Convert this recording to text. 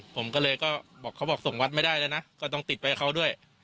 ผมก็เลยก็บอกเขาบอกส่งวัดไม่ได้แล้วนะก็ต้องติดไว้กับเขาด้วย